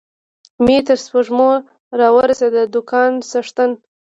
مې تر سږمو را ورسېد، د دوکان څښتن.